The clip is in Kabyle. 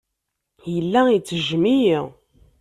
Yella ittejjem-iyi.